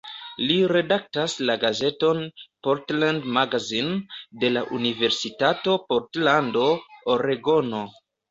Li redaktas la gazeton "Portland Magazine" de la Universitato Portlando, Oregono.